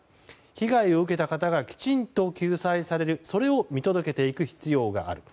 被害を受けた方がきちんと救済されるそれを見届けていく必要がある。